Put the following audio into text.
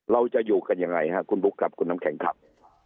เราจะอยู่กันอย่างไรฮะคุณลุกครับคุณน้ำแข็งครับ